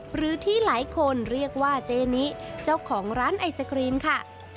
หรือที่หลายคนเรียกว่าเจนิเจ้าของร้านไอศครีมค่ะ